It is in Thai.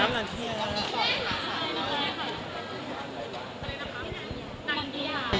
สุดท้ายเท่าไหร่สุดท้ายเท่าไหร่